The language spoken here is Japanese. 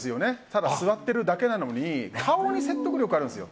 ただ座ってるだけなのに顔に説得力があるんです。